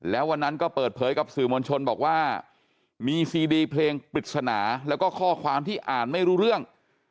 แล้ววันนั้นก็เปิดเผยกับสื่อมวลชนบอกว่ามีซีดีเพลงปริศนาแล้วก็ข้อความที่อ่านไม่รู้เรื่อง